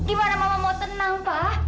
gimana mama mau tenang pak